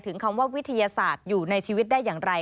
คำว่าวิทยาศาสตร์อยู่ในชีวิตได้อย่างไร